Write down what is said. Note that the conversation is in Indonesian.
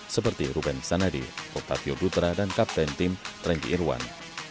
seperti ruben sanadi oktavio dutra dan kapten tim renggi irwan